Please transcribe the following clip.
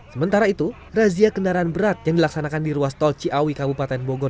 sementara itu razia kendaraan berat yang dilaksanakan di ruas tol ciawi kabupaten bogor